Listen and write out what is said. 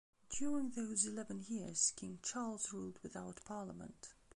During those eleven years, King Charles ruled without parliament.